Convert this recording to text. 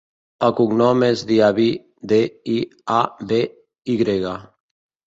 El cognom és Diaby: de, i, a, be, i grega.